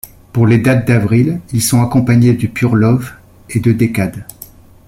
Pour les dates d’avril, ils sont accompagnés de Pure Love et de Decade.